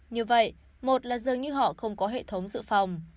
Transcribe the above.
như vậy một là dường như họ không có hệ thống dự phòng